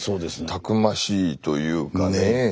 たくましいというかね